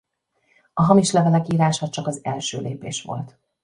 A hamis levelek írása csak az első lépés volt.